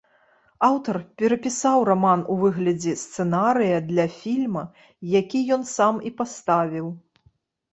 Аўтар перапісаў раман у выглядзе сцэнарыя для фільма, які ён сам і паставіў.